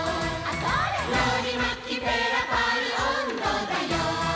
「のりまきペラパリおんどだよ」